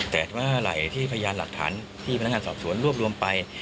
แต่เมื่อไหร่ที่พยานหลักฐานที่พนักงานสอบสวนรวบรวมไป